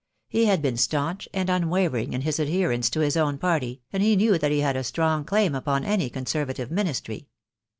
He had been staunch and unwavering in his adherence to his own party, and he knew that he had a strong claim upon any Conservative Ministry.